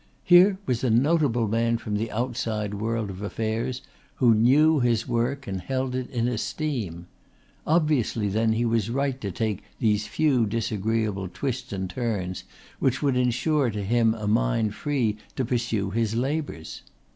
Here was a notable man from the outside world of affairs who knew his work and held it in esteem. Obviously then he was right to take these few disagreeable twists and turns which would ensure to him a mind free to pursue his labours.